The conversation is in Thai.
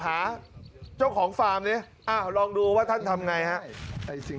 หาเจ้าของฟาร์มดิอ้าวลองดูว่าท่านทำไงฮะไอ้สิ่ง